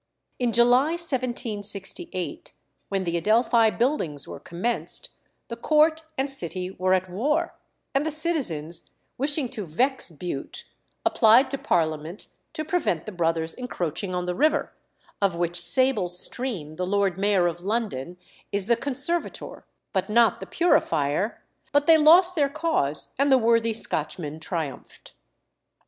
In July 1768, when the Adelphi Buildings were commenced, the Court and City were at war, and the citizens, wishing to vex Bute, applied to Parliament to prevent the brothers encroaching on the river, of which sable stream the Lord Mayor of London is the conservator, but not the purifier; but they lost their cause, and the worthy Scotchmen triumphed.